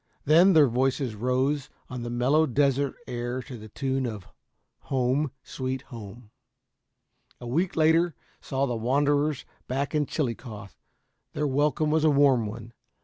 Then their voices rose on the mellow desert air to the tune of "Home, Sweet Home." A week later saw the wanderers back in Chillicothe. Their welcome was a warm one.